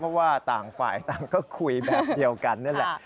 เพราะว่าต่างฝ่ายต่างก็คุยแบบเดียวกันนั่นแหละ